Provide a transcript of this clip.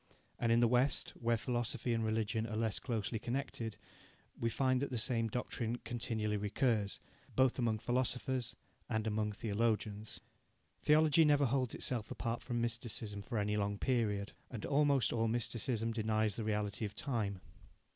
And in the West, where philosophy and religion are less closely connected, we find that the same doctrine continually recurs, both among philosophers and among theologians. Theology never holds itself apart from mysticism for any long period, and almost all mysticism denies the reality of time.